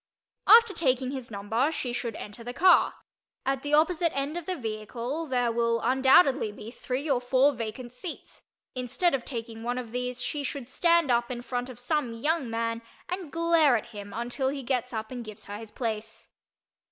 After taking his number she should enter the car. At the opposite end of the vehicle there will undoubtedly be three or four vacant seats; instead of taking one of these she should stand up in front of some young man and glare at him until he gets up and gives her his place.